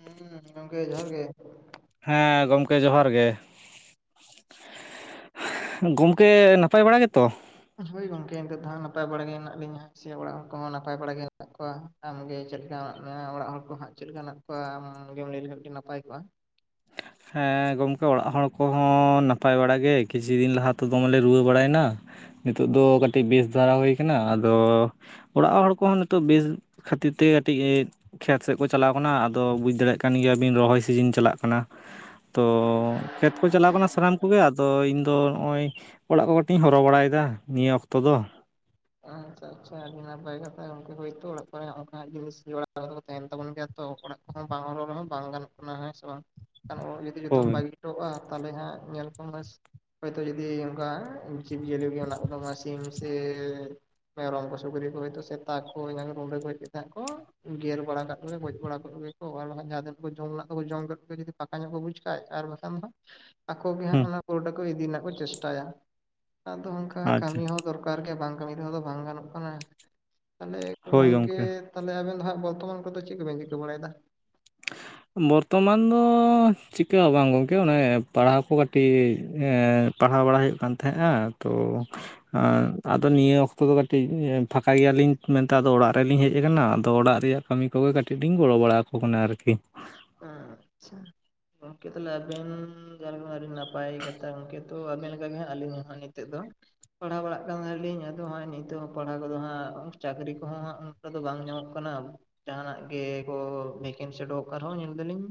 ᱦᱩᱸ ᱜᱚᱝᱠᱮ ᱡᱚᱦᱟᱨ ᱜᱮ ᱾ ᱦᱮᱸ ᱜᱚᱢᱠᱮ ᱡᱚᱦᱟᱨ ᱜᱮ ᱾ ᱜᱚᱝᱠᱮ ᱱᱟᱯᱟᱭ ᱵᱟᱲᱟ ᱜᱮᱛᱚ? ᱦᱳᱭ ᱜᱚᱝᱠᱮ ᱱᱤᱛᱳᱜ ᱫᱚ ᱦᱟᱸᱜ ᱱᱟᱯᱟᱭ ᱵᱟᱲᱟ ᱜᱮ ᱱᱟᱜ ᱞᱤᱧᱟ ᱦᱟᱸᱜ, ᱥᱮ ᱚᱲᱟᱜ ᱦᱚᱲ ᱠᱚ ᱱᱟᱯᱟᱭ ᱵᱟᱲᱟᱜᱮ ᱢᱮᱱᱟᱜ ᱠᱚᱣᱟ ᱾ ᱟᱢᱜᱮ ᱪᱮᱫ ᱞᱮᱠᱟ ᱚᱲᱟᱜ ᱦᱚᱲ ᱠᱚ ᱦᱟᱸᱜ ᱪᱮᱫ ᱞᱮᱠᱟ ᱦᱮᱱᱟᱜ ᱠᱚᱣᱟ ᱟᱢ ᱜᱮᱢ ᱞᱟᱹᱭ ᱞᱮᱠᱷᱟᱱ ᱟᱹᱰᱤ ᱱᱟᱯᱟᱭ ᱠᱚᱜᱼᱟ ᱾ ᱦᱮᱸ ᱜᱚᱢᱠᱮ ᱚᱲᱟᱜ ᱦᱚᱲ ᱠᱚᱦᱚᱸ ᱱᱟᱯᱟᱭ ᱵᱟᱲᱟ ᱜᱮ ᱠᱤᱪᱷᱩ ᱫᱤᱱ ᱞᱟᱦᱟ ᱛᱚ ᱫᱚᱢᱮᱞᱮ ᱨᱩᱣᱟᱹ ᱵᱟᱲᱟᱭᱱᱟ ᱾ ᱱᱤᱛᱳᱜ ᱫᱚ ᱠᱟᱹᱴᱤᱡ ᱵᱮᱥ ᱫᱷᱟᱨᱟ ᱦᱩᱭ ᱠᱟᱱᱟ ᱟᱫᱚᱻ ᱚᱲᱟᱜ ᱦᱚᱲ ᱠᱚᱦᱚᱸ ᱱᱤᱛᱚᱜ ᱵᱮᱥ ᱠᱷᱟᱹᱛᱤᱨ ᱛᱮ ᱠᱟᱹᱴᱤᱡ ᱠᱷᱮᱛ ᱥᱮᱫ ᱠᱚ ᱪᱟᱞᱟᱣ ᱠᱟᱱᱟ ᱟᱫᱚ ᱵᱩᱡᱽ ᱫᱟᱲᱮᱭᱟᱜ ᱠᱟᱱ ᱜᱮᱭᱟ ᱵᱤᱱ ᱨᱚᱦᱚᱭ ᱥᱤᱡᱤᱱ ᱪᱟᱞᱟᱜ ᱠᱟᱱᱟ ᱾ ᱛᱚ ᱠᱷᱮᱛ ᱠᱚ ᱪᱟᱞᱟᱣ ᱠᱟᱱᱟ ᱥᱟᱱᱟᱢ ᱠᱚᱜᱮ ᱟᱫᱚ ᱤᱧᱫᱚ ᱱᱚᱜᱼᱚᱭ ᱚᱲᱟᱜ ᱠᱚ ᱠᱟᱹᱴᱤᱡ ᱤᱧ ᱦᱚᱨᱦᱚ ᱵᱟᱲᱟᱭᱮᱫᱟ ᱱᱤᱭᱟᱹ ᱚᱠᱛᱚ ᱫᱚ᱾ ᱟᱪᱪᱷᱟ ᱟᱪᱪᱷᱟ ᱟᱹᱰᱤ ᱱᱟᱯᱟᱭ ᱠᱟᱛᱷᱟ ᱜᱚᱝᱠᱮ ᱦᱚᱭᱛᱳ ᱚᱲᱟᱜ ᱠᱚᱨᱮ ᱚᱱᱠᱟᱱᱟᱜ ᱡᱤᱱᱤᱥ ᱡᱚᱲᱟᱣ ᱛᱟᱦᱮᱱ ᱛᱟᱵᱚᱱ ᱜᱮᱭᱟ ᱛᱚ ᱚᱲᱟᱜ ᱵᱟᱝ ᱦᱚᱨᱦᱚ ᱨᱮᱦᱚᱸ ᱵᱟᱝ ᱜᱟᱱᱚᱜ ᱠᱟᱱᱟ ᱦᱮᱸ ᱥᱮ ᱵᱟᱝ [unintelligible] ᱡᱩᱫᱤ ᱡᱚᱛᱚᱢ ᱦᱳᱭ ᱵᱟᱹᱜᱤ ᱠᱚᱣᱟ ᱛᱟᱦᱚᱞᱮ ᱦᱟᱸᱜ ᱧᱮᱞ ᱠᱚ ᱢᱮ ᱦᱚᱭᱛᱚ ᱡᱩᱫᱤ ᱚᱱᱠᱟ ᱡᱤᱵᱽ ᱡᱤᱭᱟᱹᱞᱤ ᱜᱮ ᱢᱮᱱᱟᱜ ᱠᱚᱫᱟ ᱥᱤᱢ ᱥᱮᱻ ᱢᱮᱨᱚᱢ ᱠᱚ ᱥᱩᱠᱨᱤ ᱠᱚ ᱦᱚᱭᱛᱚ ᱥᱮᱛᱟ ᱠᱚ ᱨᱩᱸᱰᱟᱹ ᱠᱚ ᱦᱮᱡ ᱠᱟᱛᱮ ᱦᱟᱜ ᱠᱚ ᱜᱮᱨ ᱵᱟᱲᱟ ᱠᱟᱜ ᱠᱚᱜᱮ ᱜᱚᱡ ᱵᱟᱲᱟ ᱠᱟᱜ ᱠᱚ ᱟᱨ ᱡᱟᱦᱟᱸ ᱛᱤᱱᱟᱹᱜ ᱠᱚ ᱡᱚᱢ ᱢᱮᱱᱟᱜ ᱠᱚᱠᱚ ᱡᱚᱢ ᱠᱮᱫ ᱜᱮ ᱡᱩᱫᱤ ᱯᱷᱟᱠᱟ ᱧᱚᱜ ᱠᱚ ᱵᱩᱡ ᱠᱷᱟᱡ ᱟᱨ ᱵᱟᱠᱷᱟᱱ ᱫᱚ ᱟᱠᱚ ᱜᱮ ᱦᱟᱸᱜ ᱦᱩᱸ ᱚᱱᱟ ᱯᱨᱳᱰᱟᱠ ᱠᱚ ᱤᱫᱤ ᱨᱮᱱᱟᱜ ᱠᱚ ᱪᱮᱥᱴᱟᱭᱟ ᱟᱫᱚ ᱚᱱᱠᱟ ᱟᱪᱪᱷᱟ ᱠᱟᱹᱢᱤ ᱦᱚᱸ ᱫᱚᱨᱠᱟᱨ ᱜᱮᱭᱟ ᱵᱟᱝ ᱠᱟᱹᱢᱤ ᱨᱮᱦᱚ ᱫᱚ ᱵᱟᱝ ᱜᱟᱱᱚᱜ ᱠᱟᱱᱟ ᱾ ᱛᱟᱦᱚᱞᱮ ᱜᱚᱢᱠᱮ ᱛᱟᱦᱚᱞᱮ ᱟᱵᱤᱱ ᱫᱚ ᱦᱟᱸᱜ ᱵᱚᱨᱛᱚᱢᱟᱱ ᱠᱚᱫᱚ ᱪᱮᱫ ᱠᱚᱵᱮᱱ ᱪᱤᱠᱟᱹ ᱵᱟᱲᱟᱭᱮᱫᱟ? [inaudible] ᱵᱚᱨᱛᱚᱢᱟᱱ ᱫᱚ ᱪᱤᱠᱟᱹ ᱦᱚ ᱵᱟᱝ ᱜᱚᱢᱠᱮ ᱚᱱᱮ ᱯᱟᱲᱦᱟᱣ ᱠᱚ ᱠᱟᱹᱴᱤᱡ ᱯᱟᱲᱦᱟᱣ ᱵᱟᱲᱟ ᱦᱩᱭᱩᱜ ᱠᱟᱱ ᱛᱟᱦᱮᱸᱜᱼᱟ ᱛᱚ ᱟᱫᱚ ᱱᱤᱭᱟᱹ ᱚᱠᱛᱚ ᱫᱚ ᱠᱟᱹᱴᱤᱡ ᱯᱷᱟᱸᱠᱟ ᱜᱮᱭᱟᱞᱤᱧ ᱢᱮᱱᱛᱮ ᱟᱫᱚ ᱚᱲᱟᱜ ᱨᱮᱞᱤᱧ ᱦᱮᱡ ᱟᱠᱟᱱᱟ ᱟᱫᱚ ᱚᱲᱟᱜ ᱨᱮᱭᱟᱜ ᱠᱟᱹᱢᱤ ᱠᱚᱜᱮ ᱠᱟᱹᱴᱤᱡ ᱞᱤᱧ ᱜᱚᱲᱚ ᱵᱟᱲᱟ ᱟᱠᱚ ᱠᱟᱱᱟ ᱟᱨᱠᱤ ᱟᱪᱪᱷᱟ ᱜᱚᱢᱠᱮ ᱛᱟᱦᱚᱞᱮ ᱟᱵᱮᱱ [unintelligible] ᱟᱹᱰᱤ ᱱᱟᱯᱟᱭ ᱠᱟᱛᱷᱟ ᱜᱚᱢᱠᱮ ᱛᱚ ᱟᱵᱮᱱ ᱞᱮᱠᱟ ᱜᱮ ᱟᱹᱞᱤᱧ ᱦᱚ ᱱᱤᱛᱚᱜ ᱫᱚ ᱯᱟᱲᱦᱟᱣ ᱵᱟᱲᱟᱜ ᱠᱟᱱ ᱛᱟᱦᱮᱞᱤᱧ ᱟᱫᱚ ᱦᱚᱸᱜᱼᱚᱭ ᱱᱤᱛᱚᱜ ᱦᱚᱸ ᱯᱟᱲᱦᱟᱣ ᱠᱚᱫᱚ ᱦᱟᱸᱜ ᱪᱟᱹᱠᱨᱤ ᱠᱚᱦᱚᱸ ᱦᱟᱸᱜ ᱫᱚ ᱵᱟᱝ ᱧᱟᱢᱚᱜ ᱠᱟᱱᱟ ᱡᱟᱦᱱᱟᱜ ᱜᱮ ᱠᱚ ᱵᱷᱮᱠᱮᱱᱥᱤ ᱩᱰᱩᱠᱚᱜ ᱠᱟᱱ ᱨᱮᱦᱚᱸ ᱧᱮᱞ ᱫᱟᱞᱤᱧ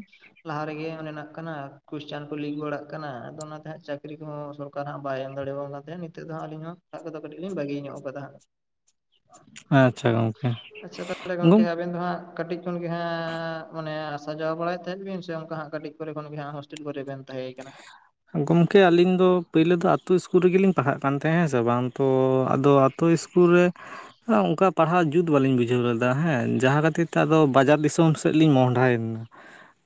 ᱞᱟᱦᱟ ᱨᱮᱜᱮ ᱚᱱᱮᱱᱟᱜ ᱠᱟᱱᱟ ᱠᱚᱥᱪᱟᱱ ᱠᱚ ᱞᱤᱠ ᱵᱟᱲᱟᱜ ᱠᱟᱱᱟ ᱟᱫᱚ ᱚᱱᱟᱛᱮ ᱦᱟᱸᱜ ᱪᱟᱹᱠᱨᱤ ᱠᱚᱦᱚᱸ ᱥᱚᱨᱠᱟᱨ ᱚᱱᱠᱟ ᱦᱟᱸ ᱵᱟᱭ ᱮᱢ ᱫᱟᱲᱮ ᱟᱵᱚᱱ ᱠᱟᱱ ᱛᱟᱦᱮᱸᱜ ᱱᱤᱛᱚᱜ ᱫᱚ ᱟᱹᱞᱤᱧ ᱦᱚᱸ ᱯᱟᱲᱦᱟᱣᱜ ᱠᱚᱫᱚ ᱠᱟᱹᱴᱤᱡ ᱞᱤᱧ ᱵᱟᱹᱜᱤ ᱧᱚᱜ ᱟᱠᱟᱫᱟ ᱾ ᱟᱪᱪᱷᱟ ᱜᱚᱝᱠᱮ ᱟᱪᱪᱷᱟ ᱛᱟᱦᱚᱞᱮ ᱜᱚᱝᱠᱮ ᱜᱚᱝ ᱟᱵᱤᱱ ᱫᱚ ᱦᱟᱸᱜ ᱠᱟᱹᱴᱤᱡ ᱠᱷᱚᱱ ᱜᱮ ᱦᱟᱸᱜ ᱚᱱᱮ ᱟᱥᱟ ᱡᱟᱣᱟ ᱵᱟᱲᱟᱭᱮᱫ ᱛᱟᱦᱮᱸᱫ ᱵᱤᱱ ᱥᱮ ᱚᱱᱠᱟ ᱦᱟᱸᱜ ᱠᱟᱹᱴᱤᱡ ᱠᱚᱨᱮ ᱠᱷᱚᱱ ᱜᱮ ᱦᱟᱸᱜ ᱠᱚᱨᱮ ᱵᱮᱱ ᱛᱟᱦᱮᱸ ᱠᱟᱱᱟ ᱜᱚᱢᱠᱮ ᱟᱹᱞᱤᱧ ᱫᱚ ᱯᱳᱭᱞᱳ ᱫᱚ ᱟᱛᱳ ᱥᱠᱩᱞ ᱨᱮᱜᱮᱞᱤᱧ ᱯᱟᱲᱦᱟᱜ ᱠᱟᱱ ᱛᱟᱦᱮᱸᱫ ᱦᱮᱸ ᱥᱮ ᱵᱟᱝ ᱛᱚ ᱟᱫᱚ ᱛᱚ ᱤᱥᱠᱩᱞ ᱨᱮ ᱚᱱᱠᱟ ᱯᱟᱲᱦᱟᱣ ᱡᱩᱛ ᱵᱟᱹᱞᱤᱧ ᱵᱩᱡᱷᱟᱹᱣ ᱞᱮᱫᱟ ᱦᱮᱸ ᱾ ᱡᱟᱦᱟᱸ ᱠᱷᱟᱹᱛᱤᱨ ᱛᱮ ᱟᱫᱚ ᱵᱟᱡᱟᱨ ᱫᱤᱥᱚᱢ ᱥᱮ ᱥᱮᱫ ᱞᱤᱧ ᱢᱚᱦᱰᱟᱭᱮᱱᱟ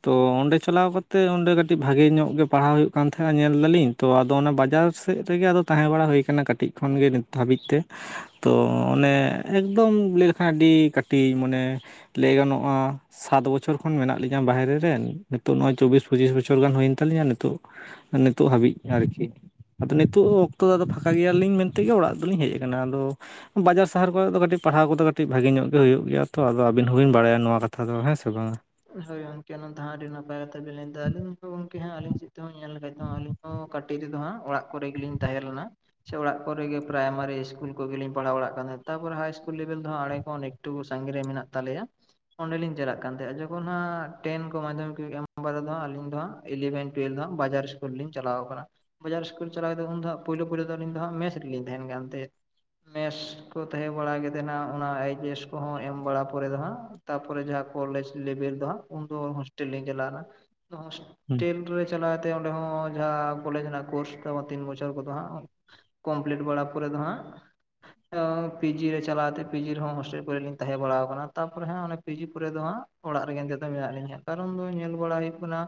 ᱛᱚ ᱚᱸᱰᱮ ᱪᱟᱞᱟᱣ ᱠᱟᱛᱮ ᱚᱸᱰᱮ ᱠᱟᱹᱴᱤᱡ ᱵᱷᱟᱜᱮ ᱧᱚᱜ ᱜᱮ ᱯᱟᱲᱦᱟᱣ ᱦᱩᱭᱩᱜ ᱠᱟᱱ ᱛᱟᱦᱮᱸᱱᱟ ᱧᱮᱞ ᱫᱟᱞᱤᱧ ᱛᱚ ᱟᱫᱚ ᱚᱱᱟ ᱵᱟᱡᱟᱨ ᱥᱮᱫ ᱨᱮᱜᱮ ᱟᱫᱚ ᱛᱟᱦᱮᱸ ᱵᱟᱲᱟ ᱦᱩᱭ ᱟᱠᱟᱱᱟ ᱠᱟᱹᱴᱤᱡ ᱠᱷᱚᱱ ᱜᱮ ᱱᱤᱛᱚᱜ ᱦᱟᱹᱵᱤᱡ ᱛᱮ ᱛᱚ ᱚᱱᱮ ᱮᱠᱫᱚᱢ ᱞᱟᱹᱭ ᱞᱮᱠᱷᱟᱱ ᱟᱹᱰᱤ ᱠᱟᱹᱴᱤᱡ ᱢᱟᱱᱮ ᱞᱟᱹᱭ ᱜᱟᱱᱚᱜᱼᱟ ᱥᱟᱛ ᱵᱚᱪᱷᱚᱨ ᱠᱷᱚᱱ ᱢᱮᱱᱟᱜ ᱞᱤᱧᱟ ᱵᱟᱦᱨᱮ ᱨᱮ ᱱᱤᱛᱚᱜ ᱱᱚᱣᱟ ᱪᱚᱵᱵᱤᱥ ᱯᱚᱸᱪᱤᱥ ᱵᱚᱪᱷᱚᱨ ᱜᱟᱱ ᱦᱩᱭᱮᱱ ᱛᱟᱞᱤᱧᱟ ᱱᱤᱛ [inaudible] ᱤᱛᱚ ᱱᱤᱛᱚᱜ ᱦᱟᱹᱵᱤᱡ ᱟᱨᱠᱤ ᱟᱫᱚ ᱱᱤᱛᱳᱜ ᱚᱠᱛᱚ ᱫᱚ ᱯᱷᱟᱸᱠᱟ ᱜᱮᱭᱟᱞᱤᱧ ᱢᱮᱱᱛᱮᱜᱮ ᱚᱲᱟᱜ ᱫᱚᱞᱤᱧ ᱦᱮᱡ ᱟᱠᱟᱱᱟ ᱟᱫᱚ ᱵᱟᱡᱟᱨ ᱥᱟᱦᱟᱨ ᱠᱚᱨᱮ ᱫᱚ ᱠᱟᱹᱴᱤᱡ ᱯᱟᱲᱦᱟᱣ ᱠᱚᱫᱚ ᱠᱟᱹᱴᱤᱡ ᱵᱷᱟᱜᱤ ᱧᱚᱜ ᱜᱮ ᱦᱩᱭᱩᱜ ᱜᱮᱭᱟ ᱛᱚ ᱟᱫᱚ ᱟᱹᱵᱤᱱ ᱦᱚᱸᱵᱤᱱ ᱵᱟᱲᱟᱭᱟ ᱱᱚᱣᱟ ᱠᱟᱛᱷᱟ ᱫᱚ ᱦᱮᱸ ᱥᱮ ᱵᱟᱝᱟ ᱦᱳᱭ ᱜᱚᱝᱠᱮ ᱚᱱᱟ ᱫᱚ ᱟᱹᱰᱤ ᱱᱟᱯᱟᱭ ᱠᱟᱛᱷᱟ ᱵᱤᱱ ᱞᱟ. ᱭ ᱫᱟ ᱟᱹᱞᱤᱧ ᱛᱮᱦᱚᱸ ᱧᱮᱞ ᱞᱮᱠᱟᱱᱡ ᱫᱚᱦᱟᱜ ᱟᱹᱞᱤᱧ ᱦᱚᱸ ᱠᱟᱹᱴᱤᱡ ᱨᱮᱫᱚ ᱦᱟᱸᱜ ᱚᱲᱟᱜ ᱠᱚᱨᱮ ᱜᱮᱞᱤᱧ ᱛᱟᱦᱮᱸ ᱞᱮᱱᱟ ᱥᱮ ᱚᱲᱟᱜ ᱠᱚᱨᱮᱜᱮ ᱯᱨᱟᱭᱢᱟᱨᱤ ᱥᱠᱩᱞ ᱠᱚᱜᱮᱞᱤᱧ ᱯᱟᱲᱦᱟᱣ ᱵᱟᱲᱟᱜ ᱠᱟᱱ ᱛᱟᱦᱮᱸ ᱛᱟᱨᱯᱚᱨᱮ ᱦᱟᱭ ᱥᱠᱩᱞ ᱞᱮᱵᱮᱞ ᱫᱚ ᱦᱟᱸᱜ ᱟᱲᱮ ᱦᱚᱸᱠ ᱚᱸᱰᱮᱜᱮ ᱴᱩ ᱥᱟᱸᱜᱮ ᱢᱮᱱᱟᱜ ᱛᱟᱞᱮᱭᱟ ᱚᱸᱰᱮᱞᱤᱧ ᱪᱟᱞᱟᱜ ᱠᱟᱱ ᱛᱟᱦᱮᱸᱱᱟ [unintelligible] ᱦᱟᱸᱜ ᱴᱮᱱ ᱠᱚ ᱢᱟᱫᱽᱫᱷᱚᱢᱤᱠ ᱠᱚ ᱮᱢ ᱵᱟᱨᱮᱫᱚ ᱟᱞᱤᱧ ᱫᱚ ᱤᱞᱤᱵᱷᱮᱱ ᱴᱩᱭᱮᱞᱵᱷ ᱫᱚ ᱵᱟᱡᱟᱨ ᱥᱠᱩᱞ ᱨᱮᱞᱤᱧ ᱪᱟᱞᱟᱣ ᱟᱠᱟᱱᱟ ᱵᱟᱡᱟᱨ ᱥᱠᱩᱞ ᱪᱟᱞᱟᱣᱛ ᱩᱱ ᱫᱚ ᱦᱟᱸᱜ ᱯᱳᱭᱞᱳ ᱯᱳᱞᱳ ᱫᱚ ᱟᱹᱞᱤᱧ ᱫᱚ ᱦᱟᱸᱜ ᱢᱮᱥ ᱨᱮᱞᱤᱧ ᱛᱟᱦᱮᱸᱱ ᱠᱟᱱ ᱛᱟᱦᱮᱸ ᱢᱮᱥ ᱠᱚ ᱛᱟᱦᱮᱸ ᱵᱟᱲᱟ ᱠᱮᱫᱮᱫ ᱱᱟᱦᱟᱜ ᱚᱱᱟ ᱮᱭᱤᱪ ᱮᱥ ᱠᱚᱦᱚᱸ ᱮᱢ ᱵᱟᱲᱟ ᱯᱚᱨᱮᱫ ᱫᱚ ᱦᱟᱸᱜ ᱛᱟᱯᱚᱨᱮ ᱡᱟᱦᱟᱸ ᱠᱚᱞᱮᱡᱽ ᱞᱮᱵᱮᱞ ᱫᱚ ᱦᱟᱸᱜ ᱩᱱᱫᱚ ᱦᱳᱥᱴᱮᱞᱤᱧ ᱪᱟᱞᱟᱣᱱᱟ ᱦᱳᱥᱴᱮᱞ ᱨᱮ ᱪᱟᱞᱟᱣᱛᱮ ᱚᱸᱰᱮ ᱦᱚᱸ ᱡᱟᱦᱟᱸ ᱠᱚᱞᱮᱡᱽ ᱨᱮᱱᱟᱜ ᱠᱳᱨᱥ [unintelligible] ᱛᱤᱱ ᱵᱚᱪᱷᱚᱨ ᱠᱚᱫᱚ ᱦᱟᱸᱜ ᱠᱚᱢᱯᱞᱤᱴ ᱵᱟᱲᱟ ᱯᱚᱨᱮ ᱫᱚ ᱦᱟᱸᱜ ᱯᱤᱡᱤ ᱨᱮ ᱪᱟᱞᱟᱣᱟᱛᱮ ᱯᱤᱡᱤ ᱨᱮᱦᱚᱸ ᱦᱳᱥᱴᱮᱞ ᱠᱚᱨᱮ ᱞᱤᱧ ᱛᱟᱦᱮᱸ ᱵᱟᱲᱟᱣ ᱠᱟᱱᱟ ᱛᱟᱨᱯᱚᱨᱮ ᱦᱟᱸᱜ ᱚᱱᱮ ᱯᱤᱡᱤ ᱯᱚᱨᱮ ᱫᱚ ᱦᱟᱸᱜ ᱚᱲᱟᱜ ᱨᱮᱜᱮ ᱱᱤᱛᱮᱜ ᱫᱚ ᱢᱮᱱᱟᱜ ᱞᱤᱧᱟ ᱠᱟᱨᱚᱱ ᱫᱚ ᱧᱮᱞ ᱵᱟᱲᱟ ᱦᱩᱭᱩᱜ ᱠᱟᱱᱟ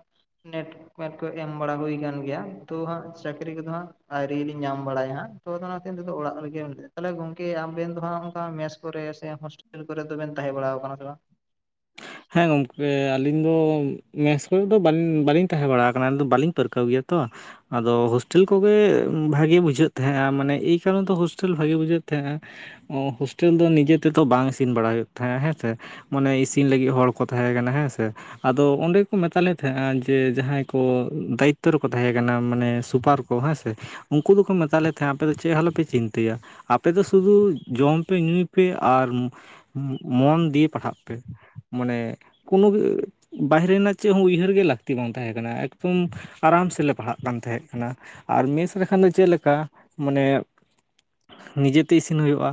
ᱱᱮᱴ ᱢᱮᱴ ᱠᱚ ᱮᱢ ᱵᱟᱲᱟ ᱦᱩᱭ ᱠᱟᱱ ᱜᱮᱭᱟ ᱛᱚ ᱦᱟᱸᱜ ᱪᱟᱹᱠᱨᱤ ᱠᱚᱫᱚ ᱦᱟᱸᱜ ᱟᱹᱣᱨᱤ ᱞᱤ ᱧᱟᱢ ᱵᱟᱲᱟᱭᱟ ᱦᱟᱸᱜ ᱛᱚᱫᱚ ᱚᱱᱟ [unintelligible] ᱚᱲᱟᱜ ᱨᱮᱜᱮᱵ ᱞᱟᱹᱭᱟ ᱛᱟᱦᱚᱞᱮ ᱜᱚᱝᱠᱮ ᱟᱵᱮᱱ ᱫᱚ ᱦᱟᱸᱜ ᱚᱱᱠᱟ ᱢᱮᱥ ᱠᱚᱨᱮ ᱥᱮ [unintelligible] ᱠᱚᱨᱮ ᱫᱚᱵᱮᱱ ᱛᱟᱦᱮᱸ ᱵᱟᱲᱟ ᱟᱠᱟᱱᱟ ᱥᱮ ᱵᱟᱝ ᱦᱮᱸ ᱜᱚᱝᱠᱮ ᱟᱹᱞᱤᱧ ᱫᱚ ᱢᱮᱥ ᱠᱚᱨᱮ ᱫᱚ ᱵᱟᱞᱤᱧ ᱛᱟᱦᱮᱸ ᱵᱟᱲᱟ ᱟᱠᱟᱱᱟ ᱵᱟᱹᱞᱤᱧ ᱯᱟᱹᱨᱠᱟᱹᱣ ᱜᱮᱭᱟ ᱛᱚ ᱟᱫᱚ ᱦᱳᱥᱴᱮᱞ ᱠᱚᱜᱮ ᱵᱷᱟᱜᱮ ᱵᱩᱡᱷᱟᱹᱜ ᱛᱟᱦᱮᱸᱼᱟ ᱢᱟᱱᱮ ᱮᱭ ᱠᱟᱨᱚᱱ ᱛᱮ ᱦᱳᱥᱴᱮᱞ ᱵᱷᱟᱜᱮ ᱵᱩᱡᱷᱟᱹᱜ ᱛᱟᱦᱮᱸᱼᱟ ᱦᱳᱥᱴᱮᱞ ᱫᱚ ᱱᱤᱡᱮ ᱛᱮᱫᱚ ᱵᱟᱝ ᱤᱥᱤᱱ ᱵᱟᱲᱟ ᱦᱩᱭᱩᱜ ᱛᱟᱦᱮᱸᱼᱟ ᱦᱮᱸᱥᱮ ᱢᱟᱱᱮ ᱤᱥᱤᱱ ᱞᱟᱹᱜᱤᱫ ᱦᱚᱸ ᱦᱚᱲ ᱠᱚ ᱛᱟᱦᱮᱸ ᱠᱟᱱᱟ ᱦᱮᱸ ᱥᱮ ᱟᱫᱚ ᱚᱸᱰᱮ ᱜᱮ ᱠᱚ ᱢᱮᱛᱟ ᱞᱮ ᱛᱟᱦᱮᱸᱼᱟ ᱡᱮ ᱡᱟᱦᱟᱸᱭ ᱠᱚ ᱫᱟᱭᱤᱛᱛᱚ ᱨᱮᱠᱚ ᱛᱟᱦᱮᱸ ᱠᱟᱱᱟ ᱢᱟᱱᱮ ᱥᱩᱯᱟᱨ ᱦᱮᱸ ᱥᱮ ᱩᱱᱠᱩ ᱫᱚᱠᱚ ᱢᱮᱛᱟ ᱞᱮ ᱛᱟᱦᱮᱸᱟ ᱯᱮ ᱫᱚ ᱪᱮᱫ ᱦᱚᱸ ᱟᱞᱚᱯᱮ ᱪᱤᱱᱛᱟᱹᱭᱟ ᱟᱯᱮ ᱫᱚ ᱥᱩᱫᱩ ᱡᱚᱢ ᱯᱮ ᱧᱩᱭ ᱯᱮ ᱟᱨ ᱢᱚᱱ ᱫᱤᱭᱮ ᱯᱟᱲᱦᱟᱜ ᱯᱮ ᱢᱟᱱᱮ ᱠᱳᱱᱳ [unintelligible] ᱵᱟᱦᱨᱮ ᱨᱮᱱᱟᱜ ᱪᱮᱫ ᱦᱚ ᱩᱭᱦᱟᱹᱨ ᱜᱮ ᱞᱟᱹᱠᱛᱤ ᱵᱟᱝ ᱛᱟᱦᱮᱸ ᱠᱟᱱᱟ ᱮᱠᱫᱚᱢ ᱟᱨᱟᱢ ᱥᱮᱞᱮ ᱯᱟᱲᱦᱟᱜ ᱠᱟᱱ ᱛᱟᱦᱮᱸ ᱠᱟᱱᱟ ᱟᱨ ᱢᱮᱥ ᱞᱮᱠᱷᱟᱱ ᱫᱚ ᱪᱮᱫ ᱞᱮᱠᱟ ᱢᱟᱱᱮ ᱱᱤᱡᱮᱛᱮ ᱤᱥᱤᱱ ᱦᱩᱭᱩᱜᱼᱟ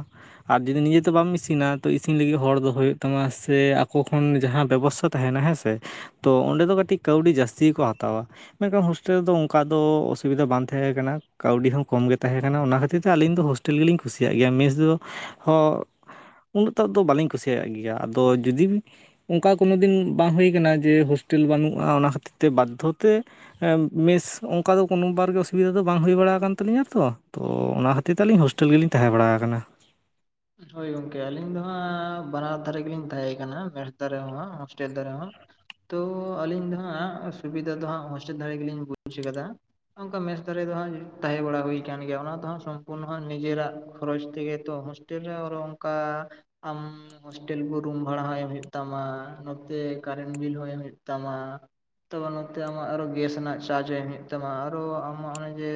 ᱟᱨ ᱡᱩᱫᱤ ᱱᱤᱡᱮ ᱛᱮ ᱵᱟᱢ ᱤᱥᱤᱱᱟ ᱛᱚ ᱤᱥᱤᱱ ᱞᱟᱹᱜᱤᱫ ᱦᱚᱲ ᱫᱚ ᱦᱳᱭᱳᱜ ᱛᱟᱢᱟ ᱥᱮ [unintelligible] ᱡᱟᱸᱦᱟ ᱵᱮᱵᱚᱥᱛᱟ ᱛᱟᱦᱮᱸᱱᱟ ᱦᱮᱸᱥᱮ ᱛᱚ ᱚᱸᱰᱮ ᱫᱚ ᱠᱟᱹᱴᱤᱡ ᱠᱟᱹᱣᱰᱤ ᱡᱟᱹᱥᱛᱤ ᱜᱮᱠᱚ ᱦᱟᱛᱟᱣᱟ ᱢᱮᱱᱠᱷᱟᱱ ᱦᱳᱥᱴᱮᱞ ᱨᱮᱫᱚ ᱚᱱᱠᱟ ᱫᱚ ᱚᱥᱩᱵᱤᱫᱟ ᱵᱟᱝ ᱛᱟᱦᱮᱸ ᱠᱟᱱᱟ ᱠᱟᱹᱣᱰᱤ ᱦᱚᱸ ᱠᱚᱢ ᱜᱮ ᱛᱟᱦᱮᱸ ᱠᱟᱱᱟ ᱚᱱᱟ ᱠᱷᱟᱹᱛᱤᱨ ᱛᱮ ᱟᱞᱤᱧ ᱫᱚ [unintelligible] ᱜᱮ ᱞᱤᱧ ᱠᱩᱥᱤᱭᱟᱜ ᱜᱮᱭᱟ ᱢᱮᱥ ᱫᱚ ᱦᱚᱸ ᱩᱱᱟᱹᱜ [unintelligible] ᱫᱚ ᱵᱟᱹᱞᱤᱧ ᱠᱩᱥᱤᱭᱟᱜ ᱜᱮᱭᱟ ᱟᱫᱚ ᱡᱩᱫᱤ ᱚᱱᱠᱟ ᱠᱳᱱᱳ ᱫᱤᱱ ᱵᱟᱝ ᱦᱩᱭ ᱟᱠᱟᱱᱟ ᱡᱮ ᱦᱳᱥᱴᱮᱞ ᱵᱟᱹᱱᱩᱜᱼᱟ ᱚᱱᱟ ᱠᱷᱟᱹᱛᱤᱨ ᱛᱮ ᱵᱟᱫᱽᱫᱷᱚ ᱛᱮ ᱢᱮᱥ ᱚᱱᱠᱟ ᱫᱚ ᱠᱳᱱᱳ ᱵᱟᱨ ᱜᱮ ᱚᱥᱩᱵᱤᱫᱟ ᱫᱚ ᱵᱟᱝ ᱦᱩᱭ ᱵᱟᱲᱟ ᱠᱟᱱ ᱛᱟᱹᱞᱤᱧᱟ ᱛᱚ ᱛᱚ ᱚᱱᱟ ᱠᱷᱟᱹᱛᱤᱨ [unintelligible] ᱦᱳᱥᱴᱮᱞ ᱜᱮ ᱞᱤᱧ ᱛᱟᱦᱮᱸ ᱵᱟᱲᱟ ᱟᱠᱟᱱᱟ ᱦᱳᱭ ᱜᱚᱝᱠᱮ ᱟᱹᱞᱤᱧ ᱫᱚ ᱦᱟᱸᱜ ᱵᱟᱱᱟᱨ ᱫᱷᱟᱨᱮ ᱜᱮᱞᱤᱧ ᱛᱟᱦᱮᱸ ᱠᱟᱱᱟ ᱢᱮᱥ ᱫᱷᱟᱨᱮ ᱦᱚᱸ ᱦᱳᱥᱴᱮᱞ ᱫᱷᱟᱨᱮ ᱦᱚᱸ ᱛᱚ ᱟᱹᱞᱤᱧ ᱫᱚ ᱦᱟᱸᱜ ᱚᱥᱩᱵᱤᱫᱟ ᱫᱚ ᱦᱟᱸᱜ ᱦᱳᱥᱴᱮᱞ ᱫᱷᱟᱨᱮ ᱜᱮ ᱞᱤᱧ ᱵᱩᱡᱽ ᱟᱠᱟᱫᱟ ᱚᱱᱠᱟ ᱢᱮᱥ ᱫᱷᱟᱨᱮ ᱫᱚ ᱛᱟᱦᱮᱸ ᱵᱟᱲᱟ ᱦᱩᱭ ᱠᱟᱱ ᱜᱮᱭᱟ ᱚᱱᱟ ᱛᱮᱦᱚᱸ ᱥᱚᱢᱯᱩᱨᱱᱚ ᱱᱤᱡᱮᱨᱟᱜ ᱠᱷᱚᱨᱚᱪ ᱛᱮᱜᱮ ᱛᱚ [unintelligible] ᱦᱳᱥᱴᱮᱞ ᱠᱚ ᱨᱩᱢ ᱵᱷᱟᱲᱟ ᱦᱚᱸ ᱮᱢ ᱦᱳᱭᱳᱜ ᱛᱟᱢᱟ ᱱᱚᱛᱮ ᱠᱟᱨᱮᱱ ᱵᱤᱞ ᱦᱚᱸ ᱮᱢ ᱦᱳᱭᱳᱜ ᱛᱟᱢᱟ [unintelligible] ᱱᱚᱛᱮ ᱟᱢᱟᱜ ᱟᱨᱦᱚᱸ ᱜᱮᱥ ᱨᱮᱱᱟᱜ ᱪᱟᱨᱡᱽ ᱮᱢ ᱦᱩᱭᱩᱜ ᱛᱟᱢᱟ ᱟᱨᱚ ᱟᱢᱟᱜ ᱚᱱᱮᱸ ᱡᱮ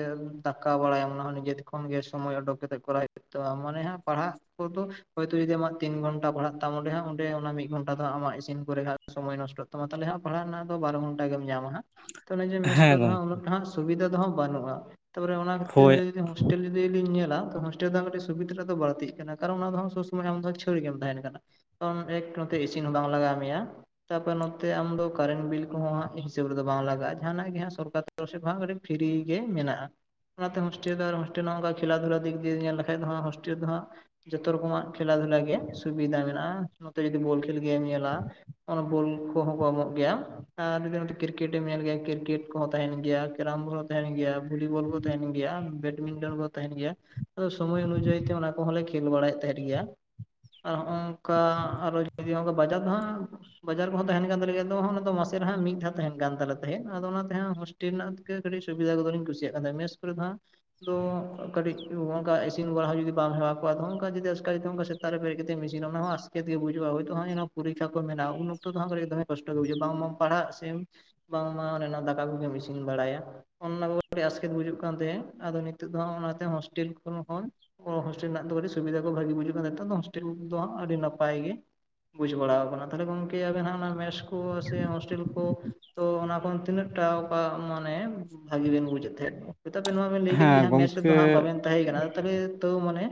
ᱫᱟᱠᱟ ᱵᱟᱲᱟᱭᱟᱢ ᱚᱱᱟ ᱦᱚᱸ ᱱᱤᱡᱮ ᱠᱷᱚᱱ ᱜᱮ ᱥᱚᱢᱚᱭ ᱳᱰᱳᱠ ᱠᱟᱛᱮᱜ ᱠᱚᱨᱟᱣ ᱦᱩᱭᱩᱜ ᱛᱟᱢᱟ ᱢᱟᱱᱮ ᱦᱟᱸᱜ ᱯᱟᱲᱦᱟᱜ [unintelligible] ᱳᱭᱛᱚ ᱡᱩᱫᱤ ᱟᱢ ᱛᱤᱱ ᱜᱷᱚᱱᱴᱟ ᱯᱟᱲᱦᱟᱜ ᱛᱟᱢ ᱚᱸᱰᱮ ᱦᱟᱸᱜ ᱚᱸᱰᱮ ᱢᱤᱫ ᱜᱷᱚᱱᱴᱟ ᱫᱚ ᱟᱢᱟᱜ ᱤᱥᱤᱱ ᱠᱚᱨᱮ ᱦᱟᱸᱜ ᱥᱚᱢᱚᱭ ᱱᱚᱥᱴᱚᱜ ᱛᱟᱢᱟ ᱛᱟᱦᱞᱮ ᱦᱟᱸᱜ ᱯᱟᱲᱦᱟᱜ ᱨᱮᱱᱟᱜ ᱫᱚ ᱵᱟᱨᱚ ᱜᱷᱚᱱᱴᱟ ᱜᱮᱢ ᱧᱟᱢᱟ ᱦᱟᱸᱜ [unintelligible] ᱚᱱᱮ ᱢᱮᱥ ᱦᱮᱸ ᱠᱚᱨᱮ ᱫᱚ ᱜᱚᱢᱠᱮ ᱩᱱᱟᱹᱜ ᱥᱩᱵᱤᱫᱷᱟ ᱫᱚ ᱦᱟᱸᱜ ᱵᱟᱹᱱᱩᱜᱼᱟ ᱛᱚᱨᱮ ᱚᱱᱟ ᱦᱳᱭ ᱠᱷᱟᱹᱛᱤᱨ [unintelligible] ᱦᱳᱥᱴᱮᱞ ᱡᱩᱫᱤ ᱞᱤᱧ ᱧᱮᱞᱟ ᱛᱚ ᱦᱳᱥᱴᱮᱞ ᱨᱮ ᱫᱚ ᱠᱟᱹᱴᱤᱡ ᱥᱩᱵᱤᱫᱷᱟ ᱫᱚ [unintelligible] ᱵᱟᱹᱲᱛᱤᱜ ᱠᱟᱱᱟ ᱠᱟᱨᱚᱱ ᱚᱱᱟ ᱫᱚ ᱥᱚᱵ ᱥᱚᱢᱚᱭ ᱟᱢᱫᱚ ᱪᱷᱟᱹᱲ ᱜᱮᱢ ᱛᱟᱦᱮᱱ ᱠᱟᱱᱟ ᱚᱱᱮ ᱮᱠ ᱱᱚᱛᱮ ᱤᱥᱤᱱ ᱦᱚᱸ ᱵᱟᱝ ᱞᱟᱜᱟᱣ ᱢᱮᱭᱟ ᱛᱟᱯᱚᱨ ᱱᱚᱛᱮ ᱟᱢ ᱫᱚ ᱠᱟᱨᱮᱱ ᱵᱤᱞ ᱠᱚᱦᱚ ᱦᱟᱸᱜ ᱦᱤᱥᱟᱹᱵ ᱨᱮᱫᱚ ᱵᱟᱝ ᱞᱟᱜᱟᱜᱼᱟ ᱡᱟᱦᱟᱱᱟᱜ ᱜᱮ ᱦᱟᱸᱜ ᱥᱚᱨᱠᱟᱨ [unintelligible] ᱦᱚᱸ ᱠᱟᱹᱴᱤᱡ ᱯᱷᱤᱨᱤ ᱜᱮ ᱢᱮᱱᱟᱜᱼᱟ ᱚᱱᱟᱛᱮ ᱦᱳᱥᱴᱮᱞ ᱫᱚ ᱦᱳᱥᱴᱮᱞ ᱦᱚᱸ ᱚᱱᱠᱟ ᱠᱷᱮᱞᱟ ᱫᱷᱩᱞᱟ ᱫᱤᱠ ᱫᱤᱭᱮ ᱧᱮᱞ ᱞᱮᱷᱟᱱ ᱫᱚ ᱦᱟᱸᱜ ᱦᱳᱥᱴᱮᱞ ᱨᱮ ᱫᱚ ᱦᱟᱸᱜ ᱡᱚᱛᱚ ᱨᱚᱠᱚᱢᱟᱜ ᱠᱷᱮᱞᱟ ᱫᱷᱩᱞᱟ ᱜᱮ ᱥᱩᱵᱤᱫᱟ ᱢᱮᱱᱟᱜᱼᱟ ᱱᱚᱛᱮ ᱡᱩᱫᱤ ᱵᱚᱞ ᱠᱷᱮᱞ ᱜᱮᱢ ᱧᱮᱞᱟ ᱚᱱᱟ ᱵᱚᱞ ᱠᱚᱦᱚᱸ ᱠᱚ ᱮᱢᱚᱜ ᱜᱮᱭᱟ ᱟᱨ ᱡᱩᱫᱤ ᱱᱚᱛᱮ ᱠᱨᱤᱠᱮᱴ ᱮᱢ ᱧᱮᱞ ᱜᱮᱭᱟ ᱠᱨᱤᱠᱮᱴ ᱠᱚᱦᱚᱸ ᱛᱟᱦᱮᱱ ᱜᱮᱭᱟ ᱠᱮᱨᱟᱢ ᱵᱳᱞ ᱛᱟᱦᱮᱱ ᱜᱮᱭᱟ ᱵᱷᱚᱞᱤᱵᱚᱞ ᱠᱚ ᱛᱟᱦᱮᱱ ᱜᱮᱭᱟ ᱵᱮᱰᱢᱤᱱᱴᱚᱱ ᱠᱚ ᱛᱟᱦᱮᱱ ᱜᱮᱭᱟ ᱟᱫᱚ ᱥᱚᱢᱚᱭ ᱚᱱᱩᱡᱟᱭᱤ ᱛᱮ ᱚᱱᱟ ᱠᱚᱦᱚᱸᱞᱮ ᱠᱷᱮᱞ ᱵᱟᱲᱟᱭᱮᱫ ᱛᱟᱦᱮᱸᱫ ᱜᱮᱭᱟ ᱟᱨ ᱱᱚᱜ-ᱚ ᱱᱚᱝᱠᱟ ᱟᱨ ᱦᱚ ᱡᱩᱫᱤ ᱵᱟᱡᱟᱨ ᱫᱚ ᱦᱟᱸᱜ ᱵᱟᱡᱟᱨ ᱠᱚᱦᱚᱸ ᱛᱟᱦᱮᱱ ᱠᱟᱱ ᱛᱟᱞᱮᱭᱟ ᱟᱫᱚ ᱢᱟᱥᱮ ᱨᱮᱦᱟᱸᱜ ᱢᱤᱫ ᱫᱷᱟᱣ ᱛᱟᱦᱮᱱ ᱠᱟᱱ ᱛᱟᱞᱮ ᱛᱟᱦᱮᱸᱫ ᱟᱫᱚ ᱚᱱᱟᱛᱮ ᱦᱟᱸᱜ ᱦᱤᱥᱴᱮᱞ ᱨᱮᱱᱟᱜ ᱜᱮ ᱠᱟᱹᱴᱤᱡ ᱥᱩᱵᱤᱫᱷᱟ ᱠᱚᱫᱚ ᱞᱤᱧ ᱠᱩᱥᱤᱭᱟᱜ ᱠᱟᱱ ᱛᱟᱦᱮᱸᱫ ᱢᱮᱥ ᱠᱚᱨᱮ ᱫᱚ ᱦᱟᱸᱜ [unintelligible] ᱠᱟᱹᱴᱤᱡ ᱱᱚᱜᱚ ᱱᱚᱝᱠᱟ ᱤᱥᱤᱱ ᱵᱟᱲᱟ ᱦᱚᱸ ᱡᱩᱫᱤ ᱵᱟᱢ ᱦᱮᱣᱟᱣ ᱠᱚᱜᱟ ᱟᱫᱚ ᱱᱚᱜ-ᱚ ᱱᱚᱝᱠᱟᱱ ᱡᱩᱫᱤ ᱟᱪᱟᱠᱟ ᱡᱩᱫᱤ ᱱᱚᱜ-ᱚ ᱱᱚᱝᱠᱟᱱ ᱥᱮᱛᱟᱜ ᱨᱮ ᱵᱮᱨᱮᱫ ᱠᱟᱛᱮᱢ ᱤᱥᱤᱱᱟ ᱚᱱᱟ ᱦᱚᱸ ᱟᱥᱠᱮᱛ ᱜᱮ ᱵᱩᱡᱚᱜᱟ ᱦᱳᱭ ᱛᱚ [unintelligible] ᱯᱚᱨᱤᱠᱷᱟ ᱠᱚ ᱢᱮᱱᱟᱜᱼᱟ ᱩᱱ ᱚᱠᱛᱚᱠ ᱦᱟᱸᱜ ᱠᱟᱹᱴᱤᱡ ᱫᱚᱢᱮ ᱠᱚᱥᱴᱚ ᱜᱮ ᱵᱩᱡᱷᱟᱹᱜ-ᱟ ᱵᱟᱝ ᱢᱟᱢ ᱯᱟᱲᱦᱟᱜ ᱥᱮᱢ ᱵᱟᱝᱢᱟ ᱚᱱᱮ ᱚᱱᱟ ᱫᱟᱠᱟ ᱠᱚᱜᱮᱢ ᱤᱥᱤᱱ ᱵᱟᱲᱟᱭᱟ ᱚᱱ ᱚᱱᱟ ᱠᱚᱜᱮ ᱠᱟᱴᱤᱡ ᱟᱸᱥᱠᱮᱛ ᱵᱩᱡᱟᱹᱜ ᱠᱟᱱ ᱛᱮ ᱟᱫᱚ ᱱᱤᱛᱚᱜ ᱫᱚ ᱚᱱᱟ ᱛᱮ ᱦᱳᱥᱴᱮᱞ ᱠᱷᱚᱱ ᱦᱚᱸ ᱦᱳᱥᱴᱮᱞ ᱨᱮᱱᱟᱜ ᱫᱚ ᱠᱟᱴᱤᱡ ᱥᱩᱵᱤᱫᱷᱟ ᱠᱚ ᱵᱷᱟᱜᱤ ᱵᱩᱡᱷᱚᱜ ᱠᱟᱱ [unintelligible] ᱱᱮᱛᱟᱨ ᱫᱚ ᱦᱳᱥᱴᱮᱞ ᱫᱚ ᱦᱟᱸᱜ ᱟᱹᱰᱤ ᱱᱟᱯᱟᱭ ᱜᱮ ᱵᱩᱡᱽ ᱵᱟᱲᱟ ᱟᱠᱟᱱᱟ ᱛᱟᱦᱞᱮ ᱜᱚᱝᱠᱮ ᱟᱵᱮᱱ ᱦᱟᱸᱜ ᱚᱱᱟ ᱢᱮᱥ ᱠᱚ ᱥᱮ ᱦᱳᱥᱴᱮᱞ ᱠᱚ ᱛᱚ ᱚᱱᱟ ᱠᱷᱚᱱ ᱛᱤᱱᱟᱹᱜ ᱴᱟᱜ ᱚᱠᱟ ᱢᱟᱱᱮ ᱵᱷᱟᱹᱜᱤ ᱵᱮᱱ ᱵᱩᱡᱮᱫ ᱛᱟᱦᱮᱸᱫ ᱦᱳᱭ ᱛᱚ ᱟᱵᱮᱱ ᱱᱚᱣᱟ ᱵᱮᱱ ᱞᱟᱹᱭ ᱠᱮᱫ ᱦᱮᱸ ᱜᱮ ᱦᱟᱸᱜ ᱢᱮᱥ ᱨᱮ ᱫᱚ ᱜᱚᱢᱠᱮ ᱦᱟᱸᱜ ᱵᱟᱵᱮᱱ ᱛᱟᱦᱮ ᱠᱟᱱᱟ ᱛᱟᱦᱞᱮ ᱛᱟᱹᱣ ᱢᱟᱱᱮ